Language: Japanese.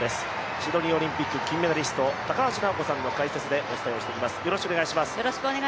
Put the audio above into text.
シドニーオリンピック金メダリスト、高橋尚子さんの解説でお届けします。